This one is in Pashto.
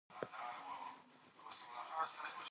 استاد فرهاد داوري په پښتو کي د سياسي علومو ستوری دی.